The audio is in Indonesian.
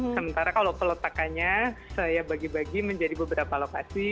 sementara kalau peletakannya saya bagi bagi menjadi beberapa lokasi